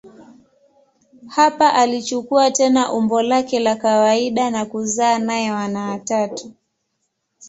Hapa alichukua tena umbo lake la kawaida na kuzaa naye wana watatu.